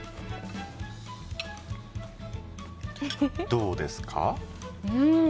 どうですか？